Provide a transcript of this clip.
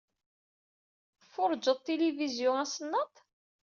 Tfuṛṛjed tilivizyun asennaṭ?